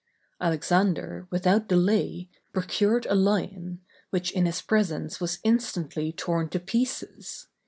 Alexander, without delay, procured a lion, which in his presence was instantly torn to pieces.